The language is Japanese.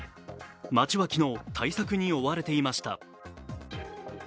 街は昨日、対策に追われていました